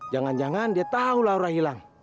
jangan jangan dia tahu laura hilang